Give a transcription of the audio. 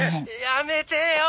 やめてよ！